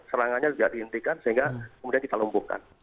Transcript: serangannya tidak dihentikan sehingga kemudian kita lumpuhkan